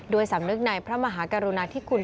สำนึกในพระมหากรุณาธิคุณ